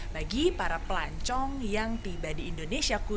bagi para pelancong yang tiba di indonesia khusus